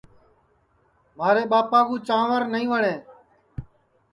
مھارے ٻاپا کُو چانٚور نائی وٹؔے